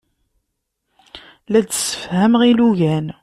La d-ssefhameɣ ilugan.